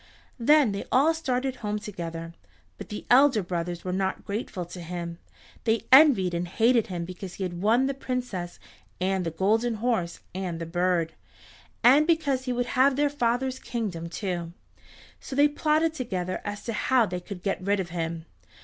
Then they all started home together. But the elder brothers were not grateful to him. They envied and hated him because he had won the Princess and the Golden Horse and the bird, and because he would have their father's kingdom, too. So they plotted together as to how they could get rid of him.